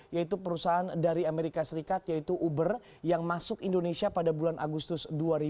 yaitu perusahaan dari amerika serikat yaitu uber yang masuk indonesia pada bulan agustus dua ribu dua puluh